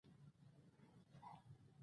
سپوږمۍ هم ورته حیرانه دوه توکړې شوه.